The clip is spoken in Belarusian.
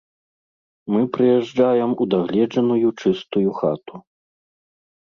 Мы прыязджаем у дагледжаную чыстую хату.